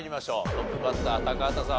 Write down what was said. トップバッター高畑さん